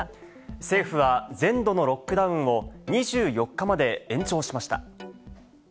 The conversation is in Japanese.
政府は全土のロックダウンを２４日まで延長しました。